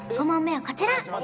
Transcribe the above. ５問目はこちら！